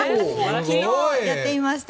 昨日やってみました。